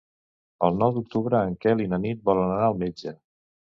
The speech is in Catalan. El nou d'octubre en Quel i na Nit volen anar al metge.